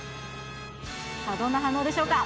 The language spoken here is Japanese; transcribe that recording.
さあ、どんな反応でしょうか。